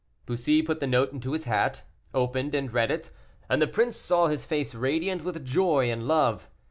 Bussy put the note into his hat, opened, and read it, and the prince saw his face radiant with joy and love.